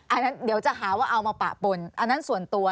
อันนั้นเดี๋ยวจะหาว่าเอามาปะปนอันนั้นส่วนตัว